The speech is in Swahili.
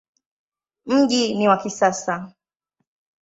Mji ni wa kisasa.